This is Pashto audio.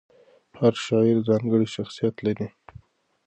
هر شاعر ځانګړی شخصیت لري.